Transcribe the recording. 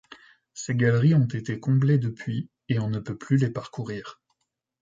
Ces galeries ont été comblées depuis et on ne peut plus les parcourir.